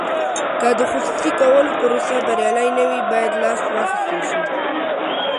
که د خصوصي کولو پروسه بریالۍ نه وي باید لاس واخیستل شي.